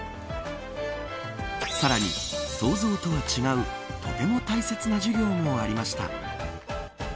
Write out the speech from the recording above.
さらに、想像とは違うとても大切な授業もありました。